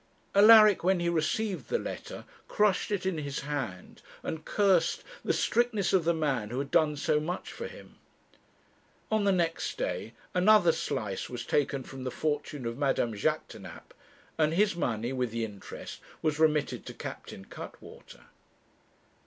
Alaric, when he received the letter, crushed it in his hand, and cursed the strictness of the man who had done so much for him. On the next day another slice was taken from the fortune of Madame Jaquêtanàpe; and his money, with the interest, was remitted to Captain Cuttwater.